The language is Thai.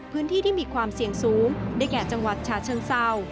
พื้นที่ที่มีความเสี่ยงสูงได้แก่จังหวัดฉาเชิงเศร้า